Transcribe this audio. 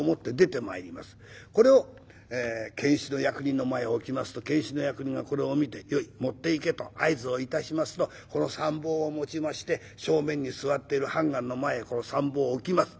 これを検使の役人の前へ置きますと検使の役人がこれを見て「よい持っていけ」と合図を致しますとこの三宝を持ちまして正面に座っている判官の前へこの三宝を置きます。